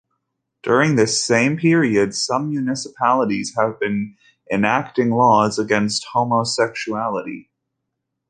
During this same period, some municipalities have been enacting laws against homosexuality.